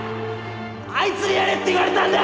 あいつにやれって言われたんだ！